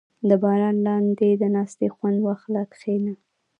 • د باران لاندې د ناستې خوند واخله، کښېنه.